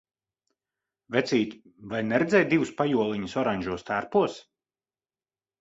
Vecīt, vai neredzēji divus pajoliņus oranžos tērpos?